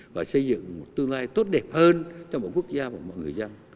và xây dựng một tương lai tốt đẹp hơn cho mọi quốc gia và mọi người dân